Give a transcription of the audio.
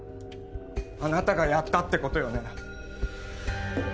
あなたがやったってことよね